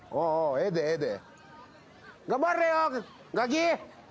ええでええで。